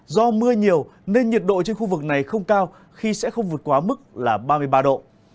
do mưa nhiều nên nhiệt độ trên khu vực này không cao khi sẽ không vượt quá mức là ba mươi ba độ